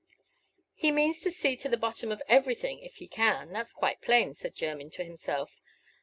"He means to see to the bottom of everything if he can, that's quite plain," said Jermyn to himself.